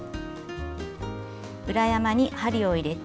裏山に針を入れて。